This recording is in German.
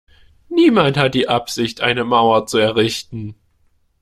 Niemand hat die Absicht, eine Mauer zu errichten.